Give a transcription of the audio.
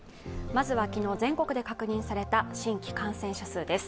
まずは昨日、全国で確認された新規感染者数です。